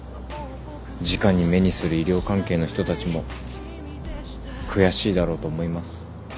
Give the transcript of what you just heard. じかに目にする医療関係の人たちも悔しいだろうと思います。